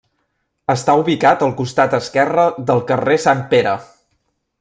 Està ubicat al costat esquerre del carrer Sant Pere.